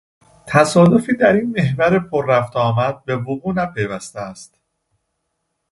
تصادفی در این محور پر رفت و آمد به وقوع نپیوسته است